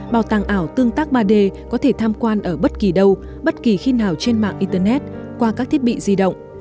bảo tàng ảo tương tác ba d có thể tham quan ở bất kỳ đâu bất kỳ khi nào trên mạng internet qua các thiết bị di động